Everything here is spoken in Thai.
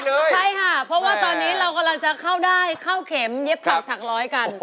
กดแล้วเนี่ยยังกดไม่ได้ใช่ค่ะเพราะว่าตอนนี้เรากำลังจะเข้าได้เข้าเข็มเย็บปักถักร้อยกัน